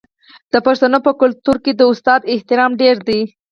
د پښتنو په کلتور کې د استاد احترام ډیر دی.